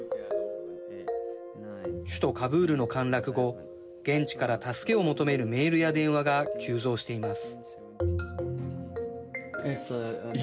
首都カブールの陥落後現地から助けを求めるメールや電話が急増しています。